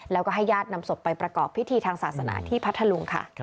แล้วก็ให้ญาตินำศพไปประกอบพิธีทางศาสนาที่พัทธลุงค่ะ